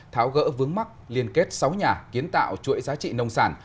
tháo gỡ vướng mắt liên kết sáu nhà kiến tạo chuỗi giá trị nông sản